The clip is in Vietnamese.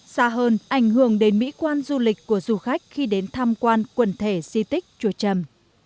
xa hơn ảnh hưởng đến mỹ quan du lịch của du khách khi đến tham quan quần thể di tích chùa trầm